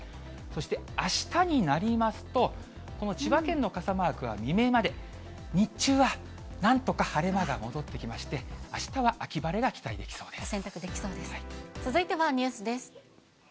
そして、あしたになりますと、この千葉県の傘マークは未明まで、日中はなんとか晴れ間が戻ってきまして、あしたは秋晴れが期待できそうです。